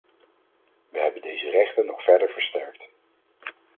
We hebben deze rechten nog verder versterkt.